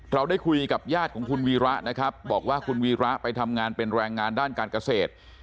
เราได้คุยกับญาติของคุณวีระนะครับบอกว่าคุณวีระไปทำงานเป็นแรงงานด้านการเกษตร